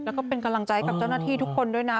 แล้วก็เป็นกำลังใจกับเจ้าหน้าที่ทุกคนด้วยนะ